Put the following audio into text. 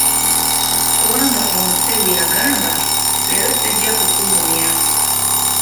Wambwa omusiru yagamba, leero sijja kukulumya.